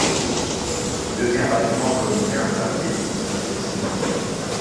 Il devient rapidement comédien à la télévision et au cinéma.